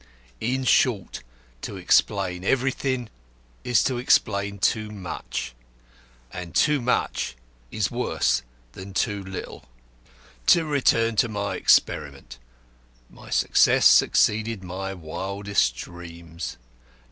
In short, to explain everything is to explain too much. And too much is worse than too little. "To return to my experiment. My success exceeded my wildest dreams.